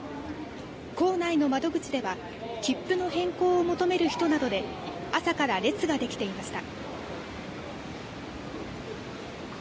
構内の窓口では切符の変更を求める人などで朝から列ができていました。